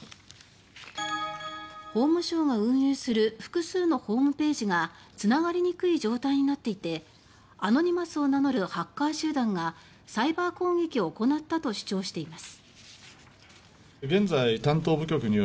法務省が運営する複数のホームページがつながりにくい状態になっていてアノニマスを名乗るハッカー集団がサイバー攻撃を行ったと主張しています。